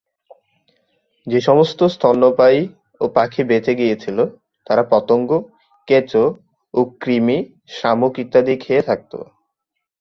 যে সমস্ত স্তন্যপায়ী ও পাখি বেঁচে গিয়েছিল, তারা পতঙ্গ, কেঁচো ও কৃমি, শামুক ইত্যাদি খেয়ে থাকত।